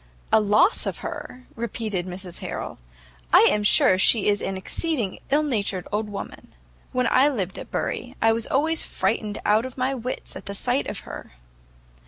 "A loss of her!" repeated Mrs Harrel, "I am sure she is an exceeding ill natured old woman. When I lived at Bury, I was always frightened out of my wits at the sight of her."